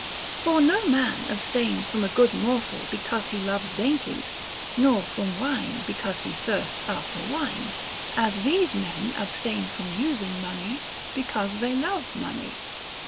For no man abstains from a good morsel because he loves dainties, nor from wine because he thirsts after wine, as these men abstain from using money because they love money.